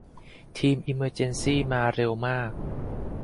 ทีมอีเมอร์เจนซี่มาเร็วมาก